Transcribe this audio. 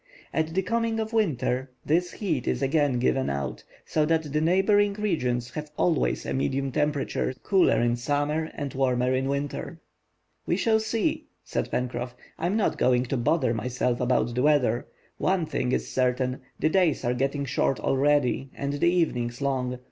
At the coming of winter this heat is again given out, so that the neighboring regions have always a medium temperature, cooler in summer and warmer in winter." "We shall see," said Pencroff. "I am not going to bother myself about the weather. One thing is certain, the days are getting short already and the evenings long.